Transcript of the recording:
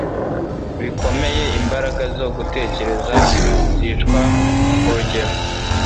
bikomeye Imbaraga zo gutekereza zicwa ku rugero